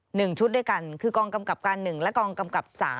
หนึ่งชุดด้วยกันคือกองกำกับการ๑และกองกำกับสาม